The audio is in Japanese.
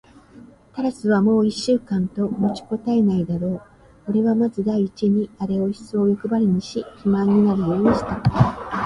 タラスはもう一週間と持ちこたえないだろう。おれはまず第一にあれをいっそうよくばりにし、肥満になるようにした。